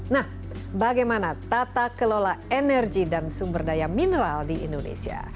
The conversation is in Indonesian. nah bagaimana tata kelola energi dan sumber daya mineral di indonesia